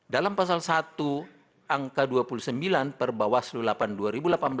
dalam pasal satu angka dua puluh sembilan perbawah selu no delapan dua ribu delapan belas